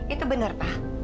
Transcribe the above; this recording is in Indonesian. itu benar pak